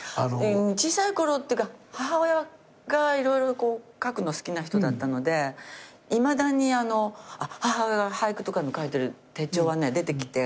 小さいころっていうか母親が色々書くの好きな人だったのでいまだに母親が俳句とか書いてる手帳は出てきて。